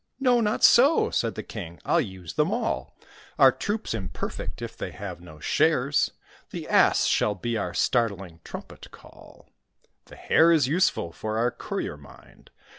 "No, not so," said the King; "I'll use them all: Our troop's imperfect, if they have no shares. The Ass shall be our startling trumpet call; The Hare is useful for our courier, mind."